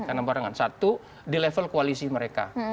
karena barang barang satu di level koalisi mereka